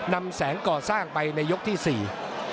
นำแสงก่อสร้างไปในยกที่สี่